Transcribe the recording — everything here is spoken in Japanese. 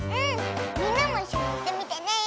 みんなもいっしょにいってみてね！